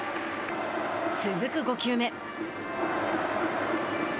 続く５球目。